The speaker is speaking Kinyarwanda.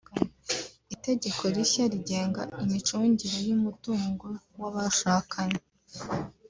Itegeko rishya rigenga imicungire y’umutungo w’abashakanye